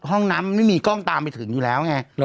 ห้องน้ำมันไม่มีกล้องตามไปถึงอยู่แล้วไง